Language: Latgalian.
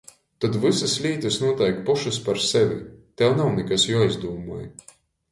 Tod vysys lītys nūteik pošys par sevi, tev nav nikas juoizdūmoj.